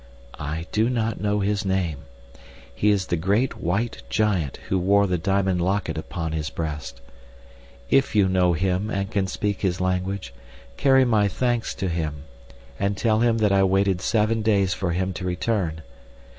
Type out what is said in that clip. I do not know his name. He is the great white giant who wore the diamond locket upon his breast. If you know him and can speak his language carry my thanks to him, and tell him that I waited seven days for him to return.